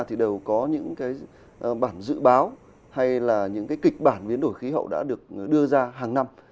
thì đều có những cái bản dự báo hay là những cái kịch bản biến đổi khí hậu đã được đưa ra hàng năm